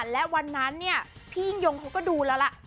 และวันนั้นเนี่ยพี่ยิ่งยงเขาก็ดูแล้วล่ะ